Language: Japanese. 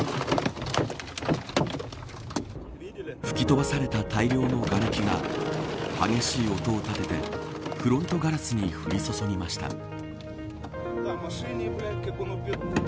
吹き飛ばされた大量のがれきが激しい音を立ててフロントガラスに降り注ぎました。